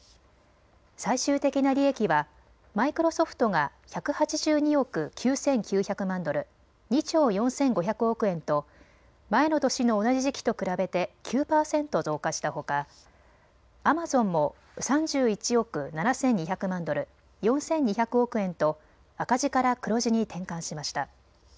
最終的な利益はマイクロソフトが１８２億９９００万ドル、２兆４５００億円と前の年の同じ時期と比べて９％増加したほかアマゾンも３１億７２００万ドル、４２００億円と赤字から黒字に転換しました。